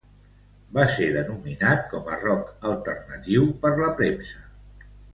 Va ser denominat com a rock alternatiu per la premsa.